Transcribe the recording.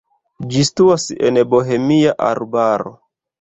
Ĝi situas en Bohemia arbaro.